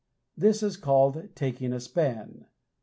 This is called "taking a span."